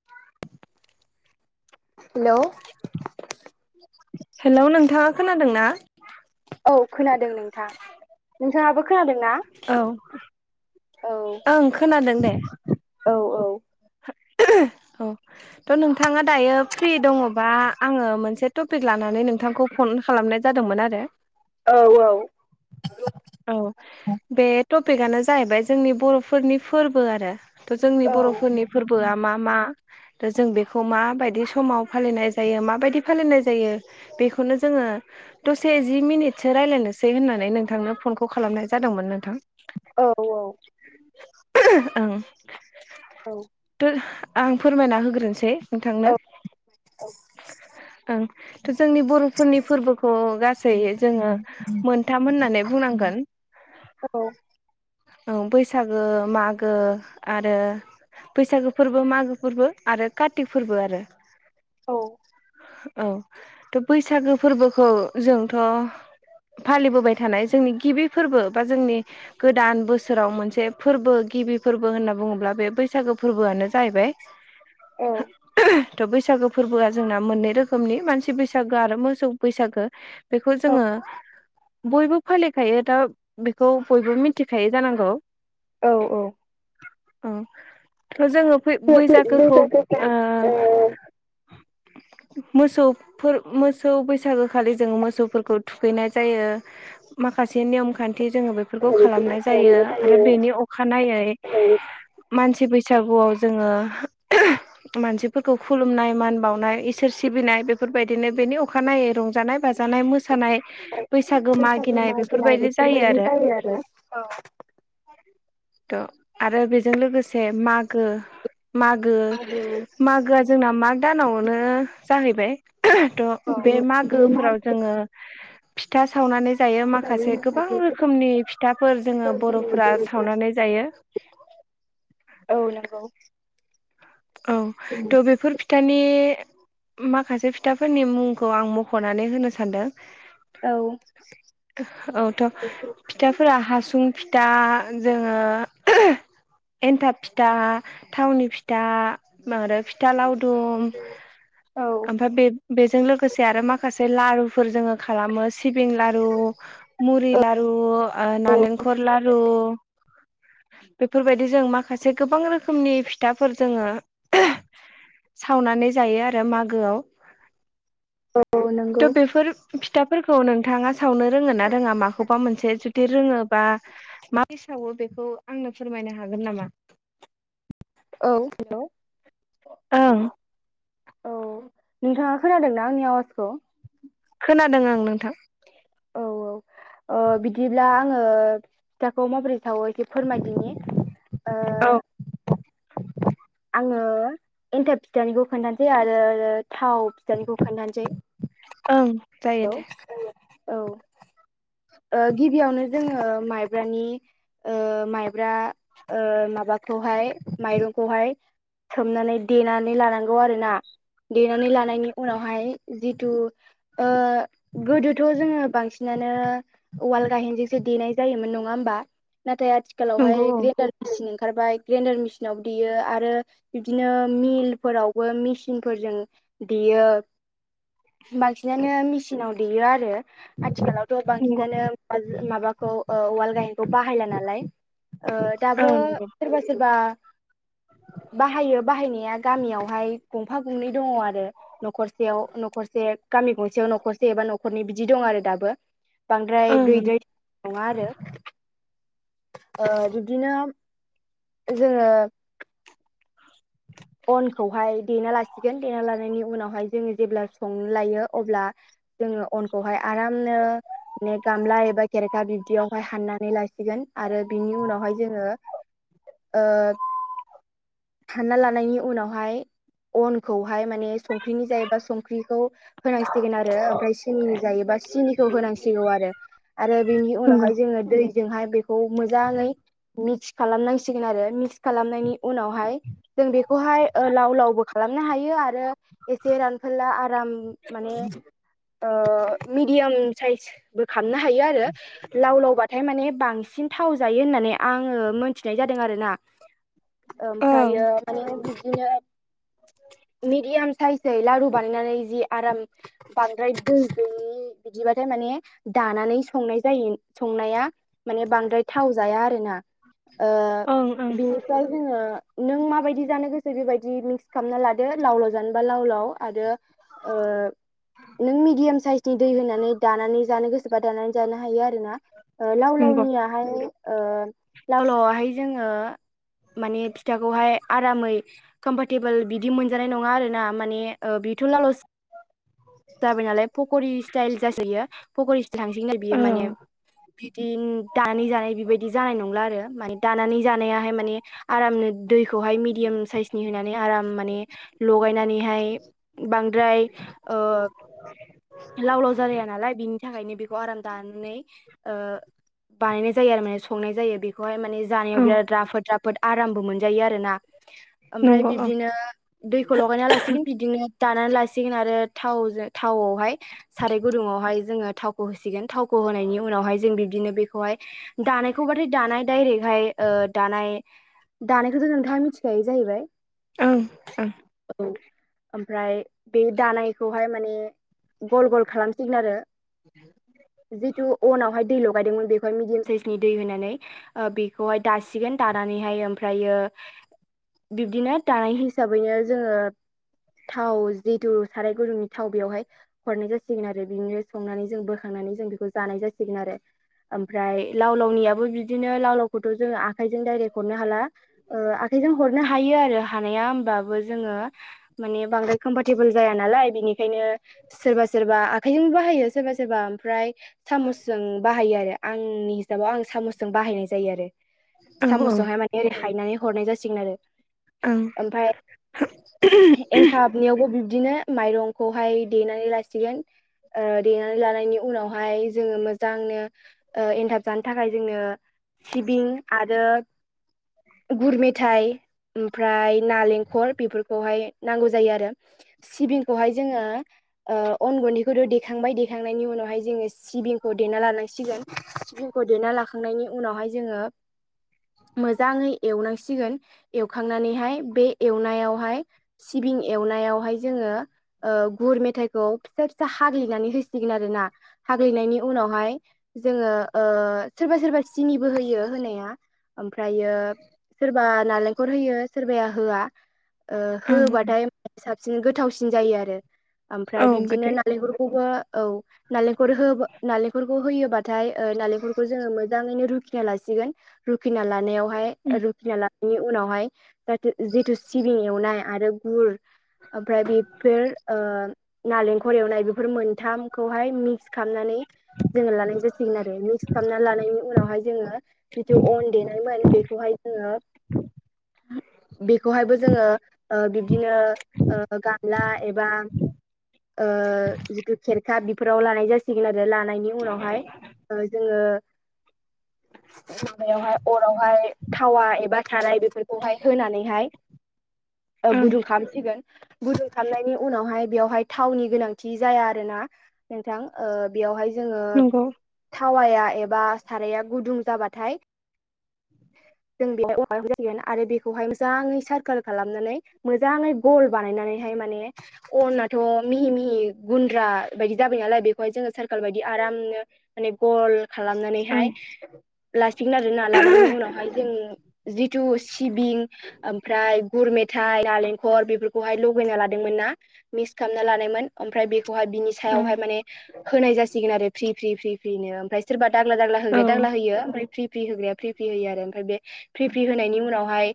[inaudible] Hello hello नोंथाङा खोनादों ना? औ खोनादों नोंथां नोंथाङाबो खोनादों ना? औ औ ओं खोनादों दे औ औ औ थ नोंथाङा दायो फ्रि दङबा आङो मोनसे टपिक लानानै नोंथांखौ फन खालामनाय जादोंमोन आरो औ औ औ बे टपिकआनो जाहैबाय जोंनि बर फोरनि फोर्बो आरो थ जोंनि औ बर फोरनि फोर्बोआ मा मा? दा जों बेखौ माबायदि समाव फालिनाय जायो माबायदि फालिनाय जायो बेखौनो जोङो दसे जि मिनिटसो रायज्लायनोसै होननानै नोंथांनो फनखौ खालामनाय जादोंमोन नोंथां औ औ औं आं फोरमायना होग्रोनोसै नोंथांनो ओं थ जोंनि बर फोरनि फोर्बोखौ गासै जोङो मोनथाम होननानै बुंनांगोन औ बैसागो मागो आरो बैसागो फोर्बो मागो फोर्बो आरो कारतिक फोर्बो आरो औ औ थ बैसागो फोर्बोखौ जोंथ फालिबोबाय थानाय जोंनि गिबि फोरबो बा जोंनि गोदान बोसोराव मोनसे फोर्बो गिबि फोरबो होनना बुङोब्ला बे बैसागो फोर्बोआनो जाहैबाय थ बैसागो फोर्बोआ जोंना मोननै रोखोमनि मानसि बैसागो आरो मोसौ बैसागो बेखौ जोङो बयबो फालि खायो दा बेखौ बयबो मिथिखायो जानांगौ औ औ औ थ जोङो बैसागोखौ ओ मोसौफोर मोसौ बैसागो खालि जों मोसौफोरखौ थुखैनाय जायो माखासे नेयम खान्थि जोङो बेफोरखौ औ खालामनाय जायो औ आरो बेनि अखानायै मानसि बैसागुआव जोङो मानसिफोरखौ खुलुमनाय मान बावनाय इसोर सिबिनाय बेफोरबायदिनो बेनि अखानायै रंजानाय बाजानाय मोसानाय बैसाग बैसागो बिदिनो खालामनाय जायो जेरै बैसागु मागिनाय बेफोरबायदि जायो आरो औ थ आरो बेजों लोगोसे मागो मागो आरो मागोआ जोंना माग दानावनो जाहैबाय थ बे मागोफोराव जोङो फिथा सावनानै जायो माखासे गोबां रोखोमनि फिथाफोर जोङो बर फोरा सावनानै जायो औ नोंगौ औ थ बेफोर फि थानि माखासे फिथाफोरनि मुंखौ आं मख नानै होनो सानदों औ औथ' फिथाफोरा हासुं फिथा जोङो एन्थाब फिथा, थावनि फि था आरो फिथा लावदुम औ ओमफ्राय बे बेजों लोगोसे आरो माखासे लारुफोर जोङो खालामो सिबिं लारु, मुरि लारु, नालेंखर लारु बेफोरबायदि जों माखासे गोबां रोखोमनि फिथाफोर जोङो सावनानै जायो आरो मागोआव। औ नंगौ थ' बेफोर फिथाफोरखौ नोंथाङा सावनो रोङोना रोङा माखौबा मोनसे? जुदि रोङोबा मा ब्रै सावो बेखौ आंनो फोरमायनो हागोन नामा? औ हेल'। ओं। औ नोंथाङा खोनादोंना आंनि आवाजखौ? खोनादों आं नोंथां। औ औ ओ बिदिब्ला आङो फिथाखौ माबोरै सावो एसे फोरमायदिनि। ओ औ आङो एन्थाब फिथानिखौ खोन्थानोसै आरो थाव फिथानिखौ खोन्थानोसै। ओं जायो हेल! दे औ ओ गिबियावनो जोङो माइब्रानि ओ माइब्रा ओ माबाखौहाय माइरंखौहाय सोमनानै देनानै लानांगौ आरोना। देनानै लानायनि उनावहाय जिथु ओ गोदोथ' जोङो बांसिनानो उवाल गाहेनजोंसो देनाय जायोमोन नङा होमबा? नाथाय नंगौ आथिखालावहाय औ ग्रेनदार मेचिन ओंखारबाय ग्रेडार मेचिनाव देयो आरो बिदिनो मिलफोरावबो मेसिनफोरजों देयो। बांसिनानो मेचिनाव देयो आरो आथिखालावथ' नंगौ बांसिन नानो माबाखौ ओ उवाल गाहेनखौ बाहायला नालाय। ओ दाबो ओं नंगौ सोरबा सोरबा [inaudible] बाहायो बाहायनाया गामियावहाय गंफा गंनै दङ आरो। न'खरसेयाव न'खरसे गामि गंसेयाव न'खरसे एबा न'खरनै बिदि दं आरो दाबो। बांद्राय ओं गैद्राय नङा आरो। बिब्दिनो जोङो अनखौहाय देना लासिगोन देना लानायनि उनावहाय जोङो जेब्ला संनो‌ लायो अब्ला जोङो अनखौहाय आरामनो ने गामला एबा खेरेखा बिब्दियावहाय हाननानै लासिगोन आरो बिनि उनावहाय जोङो ओ सानना लानायनि उनावहाय अनखौहाय माने संख्रिनि जायोबा संख्रि खौ होनांसिगोन आरो ओमफ्राय सिनिनि जायोबा सिनिखौ होनांसिगौ आरो। आरो बेनि नंगौ उनावहाय जोङो दैजोंहाय बेखौ मोजाङै मिक्स खालामनांसिगोन आरो मिक्स खालामनायनि उनावहाय जों बेखौहाय लाव लावबो खालामनो हायो आरो एसे रानफोनला आराम माने ओ मिडियाम साइसबो खालामनो हायो आरो। लाव लावबाथाय माने बांसिन थाव जायो होननानै आङो मोनथिनाय जादों आरोना। ओं ओमफ्रायो माने बिदिनो मिदियाम साइजयै लारु बानायनानै जि आराम बांद्राय दो दै बिदिबाथाय माने दानानै संनाय जायो संनाया माने बांद्राय थाव जाया आरोना ओं ओं ओ बिनिफ्राय जोङो नों माबायदि जानो गोसो बेबायदि मिक्स खालामना लादो। लाव- लाव जानोबा लाव-लाव आरो ओ नों मिडियाम साइसनि दै होनानै दानानै जानो गोसोबा दानानै जानो हायो आरो ना। ओ नंगौ लाव-लावनियाहाय ओ लाव-लावआहाय जोङो माने फिथाखौहाय आरामै कम्फरटेबोल बिदि मोनजानाय नङा आरो ना माने ओ बेथ' लाव लावसो' जाबाय नालाय पक'रि स्टाइल जासोयो पकरि स्टाइल थांसैगोन आरो औ बियो माने बिदि दानानै जानाय बिबायदि जानाय नंला आरो माने दानानै जानायाहाय माने आरामनो दैखौहाय मिडियाम साइसनि होनानै आराम माने लगायनानैहाय बांद्राय ओ लाव-लाव जालाया नालाय बिनि थाखायनो बेखौ आराम दानानै ओ बानायनाय जायो आरो माने संनाय जायो बे बेखौहाय माने औ जानायाव बिराद राफोद राफोद आरामबो मोनजायो आरोना। ओमफ्राय नंगौ औ बिब्दिनो दैखौ लगायना लासिगोन बिदिनो दानानै लासिगोन आरो थावजों थावआवहाय साराय गुदुंङआवहाय जोङो थावखौ होसिगोन थावखौ होनायनि उनावहाय जों बिब्दिनो बेखौहाय दानायखौ बा थाय दानाय डायरेक्टहाय ओ दानाय दानायखौथ' नोंथाङा मिथिखायो जाहैबाय। ओं ओं। औ ओमफ्राय बेनि दानाय बेखौहाय माने गल गल खालामसिगोन आरो। जिथु अनावहाय दै लगायदोंमोन बेखौहाय मिडियाम साइजनि दै होनानै ओ बेखौहाय दासिगोन दानानैहाय ओमफ्रायो बिबदिनो दानाय हिसाबैनो जोङो थाव जिथु साराय गुदुंनि थाव बेवहाय हरनाय जासिगोन आरो बिनि संनानै जों बोखांनानै जों बेखौ जानाय जासिगोन आरो। ओमफ्राय लाव लावनियाबो बिदिनो लाव लावखौथ' जोङो आखाइजों दडायरेक्ट हरनो हाला ओ आखाइजों हरनो हायो आरो हानाया हबाबो जोङो माने बांद्राय कमफरटेबोल जाया नालाय बिनिखायनो सोरबा सोरबा आखाइजों बाहायो सोरबा सोरबा ओमफ्राय सामसजों बाहायो आरो आंनि हिसाबाव आं सामसजों बाहायनाय जायो आरो। औ सामसजोंहाय माने ओरै हायनानै हरनाय जासिगोन आरो। ओं। ओमफाय [inaudible] एन्थाब नियावबो बे बिदिनो माइरंखौहाय देनानै लासिगोन। ओ देनानै लानायनि उनावहाय जोङो मोजांनो ओ एनथाब जानो थाखाय जोंनो सिबिं आरो गुर मेथाइ ओमफ्राय नालेंखर बेफोरखौहाय नांगौ जायो आरो। सिबिंखौहाय जोङो ओ अन गुन्दैखौथ' देखांबाय देखांनायनि उनावहाय जोङो सिबिंखौ देना लानांसिगोन सिबिंखौ देना लाखांनायनि उनावहाय जोङो मोजाङै एवनांसिगोन एवखांनानैहाय बे एवनायावहाय सिबिं एवनायावहाय जोङो गुर मेथाइखौ फिसा फिसा हाग्लिनानै होसिगोन आरोना हाग्लिनायनि उनावहाय जोङो ओ सोरबा सोरबा सिनिबो होयो होनाया ओमफ्रायो सोरबा नालेंखर होयो सोरबाया होआ ओ ओं होबाथाय सिन गोथावसिन जायो आरो औ ओमफ्राय बिब्दिनो गोदै नारेंखरखौबो औ नालेंखर होबा नालेंखरखौ होयोबाथाय ओ नालेंखरखौ जोङो मोजाङैनो रुखिना लासिगोन रुखिना लानायावहाय रुखिना लानायनि उनावहाय दाथ' जिथु सिबिं एवनाय आरो गुर ओमफ्राय बेफोर ओ नारेंखर एवनाय बेफोर मोनथाम खौहाय मिक्स खालामनानै जोङो लानाय जासिगोन आरो मिक्स खालामनानै लानायनि उनावहाय जोङो जिथु अन देनायमोन बेखौहाय जोंङो बेखौहायबो जोंङो ओ बिब्दिनो ओ गामला एबा ओ जिथु खेरखा बेफोराव लानाय जासिगोन आरो लानायनि उनावहाय ओ जोंङो माबायावहाय अरावहाय थावा एबा थानाय बेफोरखौहाय होनानैहाय [inaudible] ओ ओं गुदुं खालामसिगोन गुदुं खालामनायनि उनावहाय बेयावहाय थावनि गोनांथि जाया आरो ना नोंथां। बेयावहाय जोंङो नंगौ थावाया एबा साराया गुदुं जाबाथाय जों बेहाय जगोन आरो बेखौहाय मोजांङै सारकोल खालामनानै मोजांङै गल बानायनानैहाय माने अनाथ' मिहि मिहि गुन्द्रा बायदि जाबाय नालाय बेखौहाय जोंङो सारकोल बायदि आरामनो माने गल खालामनानैहाय ओं लासिगोन आरो ना लानायनि उनावहाय जों जिथु सिबिं ओमफ्राय गुर मेथाइ नालेंख घर बेफोरखौहाय लगैना लादोंमोन। ना मिक्स खालामना लादोंमोन ओमफ्राय बेखौहाय बिनि ओं सायावहाय माने होनाय जासिगोन आरो फ्रि फ्रि फ्रि फ्रिनो ओमफ्राय सोरबा दांला दांला औ होदो दांला होयो ओमफ्राय रि फ्रि होग्राया फ्रि फ्रि होयो आरो। ओमफ्राय बे फ्रि फ्रि होनायनि उनावहाय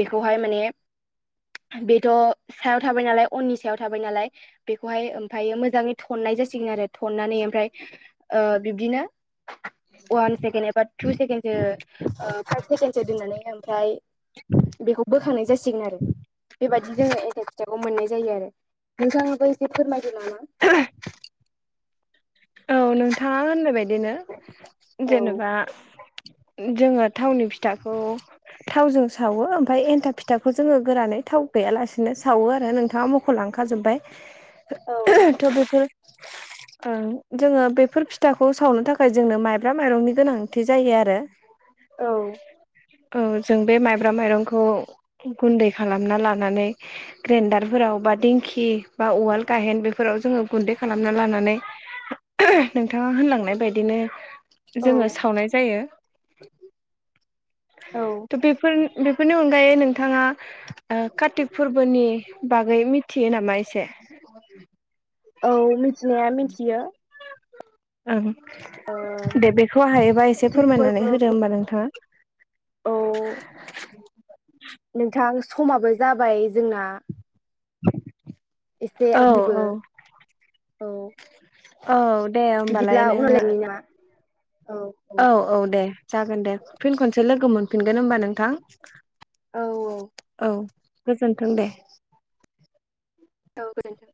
बेखौहाय माने बेथ' सायाव थाबाय नालाय उननि सायाव थाबाय नालाय बेखौहाय ओमफायो मोजांङै थननाय जासिगोन आरो थननानै ओमफ्राय बिब्दिनो वान सेकेणड एबा टु सेकेणडसो फाइभ सेकेणडसो दोननानै ओमफ्राय बेखौ बोखांनाय जासिगोन आरो। बेबायदि जोंङो एथा फिथाखौ मोननाय जायो आरो। नोंथांथ' एसे फोरमायदो नामा? औ नोंथांङा होननाय बायदिनो औ जेनेबा जोंङो थावनि फिथाखौ थावजों सावो ओमफ्राय एन्था फिथाखौ जोंङो गोरानै थाव गैयालासेनो सावो आरो नोंथांङा खौ लांख जोबबाय औ थ' बेफोर जोंङो बेफोर फिथाखौ सावनो थाखाय जोंनो माइब्रा माइरंनि गोनांथि जायो आरो। औ- औ जों बे माइब्रा माइरंखौ गुन्दै खालामना लानानै ग्रेन्न्दारफोराव बा दिंखि बा उवाल गायाहेन बेफोराव जोंङो गुन्दै खालामना लानानै नोंथांङा होनलांनाय बायदिनो औ जोंङो सावनाय जायो। औ थ बेफोर बेफोरनि अनगायै नोंथांङा। कार्तिक फोरबोनि बागै मिथियो नामा एसे? औ मिथिनाया मिथियो? ओं ओ दे बेखौ हायोबा एसे काति फोरमायनानै फोरबो होदो होमबा नोंथांङा? औ नोंथां समाबो जाबाय जोंना? द एसे आंनिबो औ औ दे औ बिदिब्ला उनावलायनि नामा औ औ औ दे जागोन दे फिन खनसे लोगो मोनफिनगोन होमबा नोंथां? औ औ गोजोन्थों दे। औ गोजोनथों